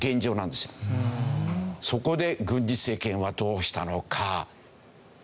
そこで軍事政権はどうしたのか。